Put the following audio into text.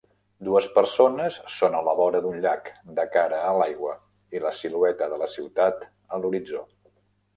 Dues persones són a la vora d'un llac, de cara a l'aigua i la silueta de la ciutat a l'horitzó.